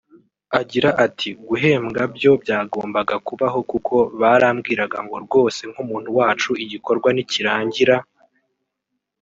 Agira ati “Guhembwa byo byagombaga kubaho kuko barambwiraga ngo rwose nk’umuntu wacu igikorwa nikirangira